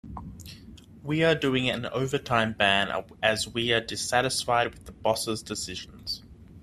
We are doing an overtime ban as we are dissatisfied with the boss' decisions.